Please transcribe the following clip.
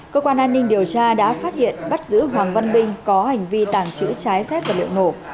cơ quan an ninh điều tra đã phát hiện bắt giữ hoàng văn minh có hành vi tàng trữ trái phép vật liệu nổ